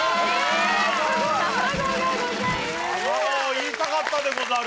言いたかったでござる。